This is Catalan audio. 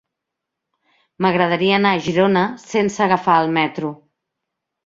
M'agradaria anar a Girona sense agafar el metro.